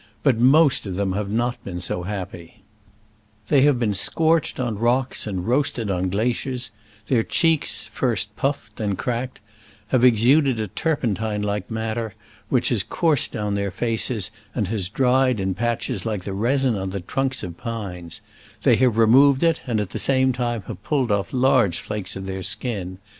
But most of them have not been so happy. They have been scorched on rocks and roast ed on glaciers. Their cheeks — first puff ed, then cracked — ^have exuded a tur Digitized by Google no SCRAMBLES AMONGST THE ALPS IN i86o '69. pentine like matter, which has coursed down their faces, and has dried in patches Uke the resin on the trunks of pines. They have removed it, and at the same time have pulled off large flakes of their skin.